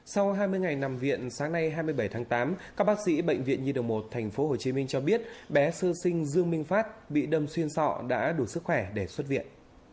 sau hai mươi ngày nằm viện sáng nay hai mươi bảy tháng tám các bác sĩ bệnh viện nhi đồng một tp hcm cho biết bé sơ sinh dương minh phát bị đâm xuyên sọ đã đủ sức khỏe để xuất viện